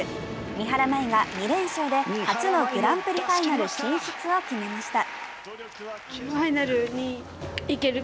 三原舞依が２連勝で初のグランプリファイナル進出を決めました。